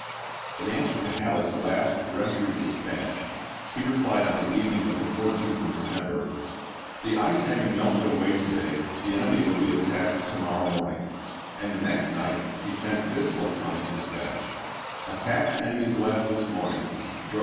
In answer to Halleck's last chap. i. peremptory dispatch, he replied on the evening of the 14th of December :" The ice having melted away i864. to day, the enemy will be attacked to morrow morn ing "; and the next night he sent this laconic dis Van Horne patch, "Attacked enemy's left this morning; drove "thl8S?